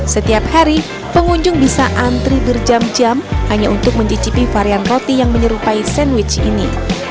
setiap hari pengunjung bisa antri berjam jam hanya untuk mencicipi varian roti yang menyerupai sandwich ini